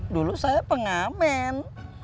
dulu saya pengamen